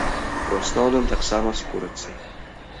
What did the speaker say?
У асноўным таксама з курыцай.